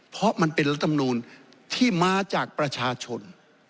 เพราะมันเป็นรัฐมนูลที่มาจากประชาชน